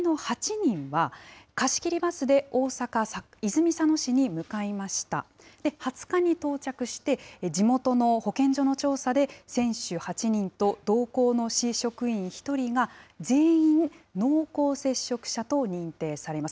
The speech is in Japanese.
２０日に到着して、地元の保健所の調査で、選手８人と同行の市職員１人が全員、濃厚接触者と認定されます。